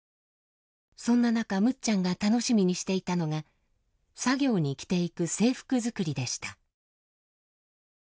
そんな中むっちゃんが楽しみにしていたのが作業に着ていく制服作りでした。